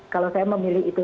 kalau saya memilih itu